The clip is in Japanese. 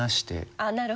あっなるほどね。